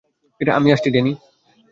আমি আসছি, ড্যানি।